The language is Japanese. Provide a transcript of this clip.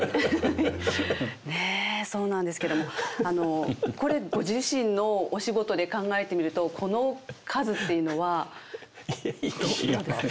ねそうなんですけどもこれご自身のお仕事で考えてみるとこの数っていうのはどうですか？